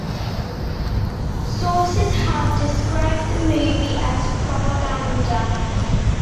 Sources have described the movie as propaganda.